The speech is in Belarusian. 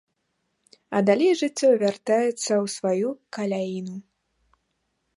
А далей жыццё вяртаецца ў сваю каляіну.